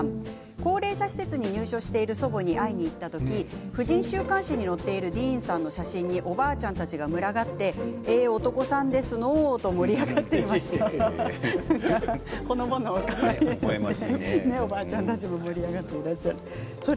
高齢者施設に入所している祖母に会いに行った時婦人週刊誌に載っているディーンさんにおばあちゃんたちが群がってええ男さんですのうと盛り上がっていましたということです。